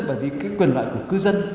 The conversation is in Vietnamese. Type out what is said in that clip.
bởi vì cái quyền loại của cư dân